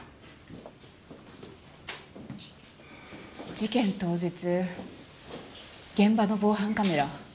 事件当日現場の防犯カメラ。